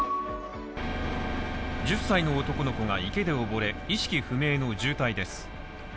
１０歳の男の子が池で溺れ、意識不明の重体です。